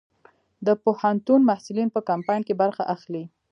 د پوهنتون محصلین په کمپاین کې برخه اخلي؟